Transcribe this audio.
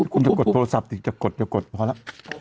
คุณจะกดโทรศัพท์อีกจะกดพอละ